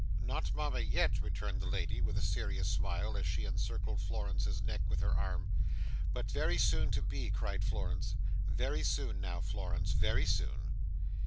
"Not Mama yet," returned the lady, with a serious smile, as she encircled Florence's neck with her arm. "But very soon to be," cried Florence. "Very soon now, Florence: very soon."